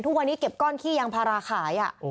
ทุกวันนี้เก็บก้อนขี้ยางพาราขาย